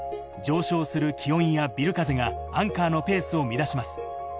上昇する気温やビル風がアンカーのペースを乱します。